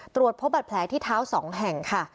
ตรวจพบบัตรแผลที่เท้า๒แห่งค่ะ